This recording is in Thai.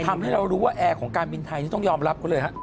ทำให้เรารู้ว่าแอร์ของการบินไทยนี่ต้องยอมรับเขาเลยฮะ